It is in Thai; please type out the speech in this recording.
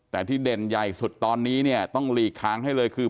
แต่ที่เด่นใหญ่สุดตอนนี้เนี่ยต้องหลีกทางให้เลยคือ